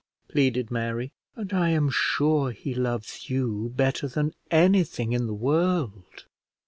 pleaded Mary; "and I am sure he loves you better than anything in the world."